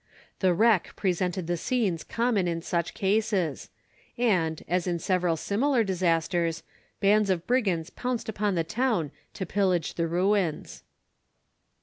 The wreck presented the scenes common in such cases; and, as in several similar disasters, bands of brigands pounced upon the town to pillage the ruins.